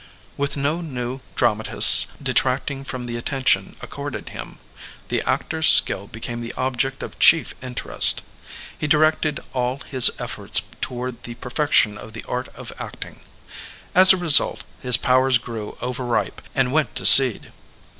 With no new dramatists detracting from the attention accorded him, the actor's skill be came the object of chief interest. He directed all his efforts toward the perfection of the art of acting. As a result his powers grew over ripe and went to seed.